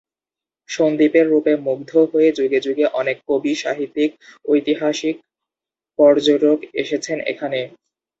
সন্দ্বীপের রূপে মুগ্ধ হয়ে যুগে যুগে অনেক কবি, সাহিত্যিক, ঐতিহাসিক, পর্যটক এসেছেন এখানে।